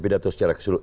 pidato secara keseluruhan